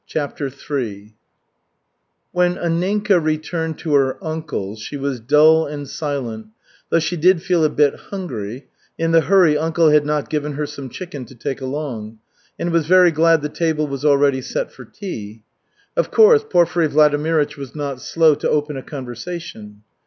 CHAPTER III When Anninka returned to her uncle's, she was dull and silent, though she did feel a bit hungry (in the hurry, uncle had not given her some chicken to take along) and was very glad the table was already set for tea. Of course, Porfiry Vladimirych was not slow to open a conversation.